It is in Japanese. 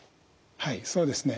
はいそうですね。